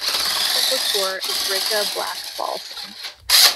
A national liquor is Riga Black Balsam.